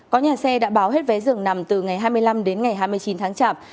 có nhà xe đã báo hết vé dường nằm từ ngày hai mươi năm đến ngày hai mươi chín tháng chạp